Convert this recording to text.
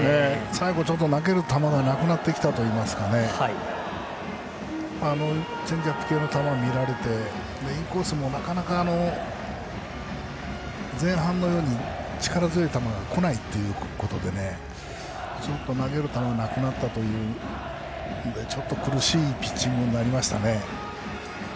最後、投げる球がなくなってきたといいますかチェンジアップ系の球が見られてインコースもなかなか前半のように力強い球がこないということで投げる球がなくなったという苦しいピッチングになりましたね。